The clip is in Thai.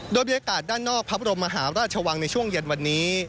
โดยบรรยากาศด้านนอกพระบรมมหาราชวังในช่วงเย็นวันนี้